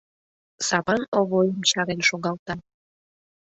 Сапан Овойым чарен шогалта: